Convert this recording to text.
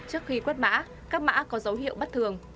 trước khi quất mã các mã có dấu hiệu bất thường